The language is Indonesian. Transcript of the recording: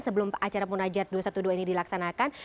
sebelum acara munajat dua ratus dua belas ini dilaksanakan